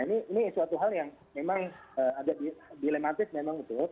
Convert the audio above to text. nah ini suatu hal yang memang ada dilematis memang itu